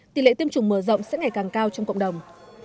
tỷ lệ tiêm chủng mở rộng sẽ ngày càng cao trong cộng đồng